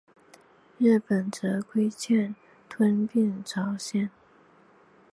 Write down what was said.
日本则觊觎吞并朝鲜。